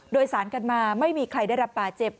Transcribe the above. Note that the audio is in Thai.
โดยสารกันมาไม่มีใครได้รับบาดเจ็บ